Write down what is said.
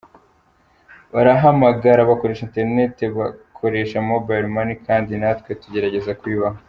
Barahamagara, bakoresha internet, barakoresha Mobile Money kandi natwe tugerageza kubibaha.